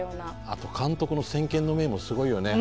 あと監督の先見の明もすごいよね。